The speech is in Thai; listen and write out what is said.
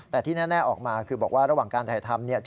แต่ที่แน่ออกมาคือบอกว่าระหว่างการถ่ายทำเนี่ย